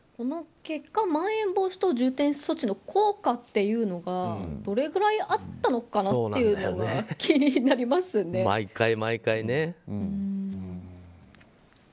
結果、まん延防止等重点措置の効果っていうのがどれぐらいあったのかなっていうのが毎回、毎回ね。